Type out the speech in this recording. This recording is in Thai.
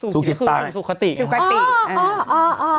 สู่ขิตตายครับสู่คติอ๋อ